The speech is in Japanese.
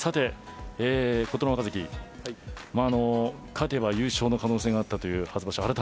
琴ノ若関勝てば優勝の可能性があったという初場所。